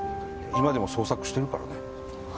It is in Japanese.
今でも捜索してるからね。